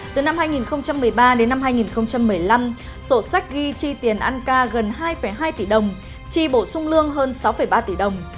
từ năm hai nghìn một mươi ba đến năm hai nghìn một mươi năm sổ sách ghi chi tiền ăn ca gần hai hai tỷ đồng chi bổ sung lương hơn sáu ba tỷ đồng